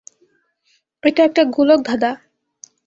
এটা একটা গোলকধাঁধাঁ।